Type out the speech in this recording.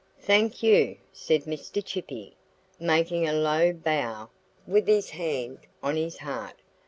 "Thank you!" said Mr. Chippy, making a low bow with his hand on his heart.